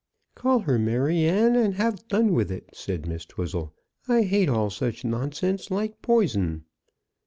"Call her 'Maryanne,' and have done with it," said Miss Twizzle. "I hate all such nonsense, like poison."